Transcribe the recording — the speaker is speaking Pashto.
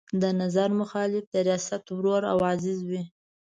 د نظر مخالف د ریاست ورور او عزیز وي.